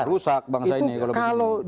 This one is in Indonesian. kita ke mainan dulu ya